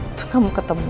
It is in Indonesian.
untung kamu ketemu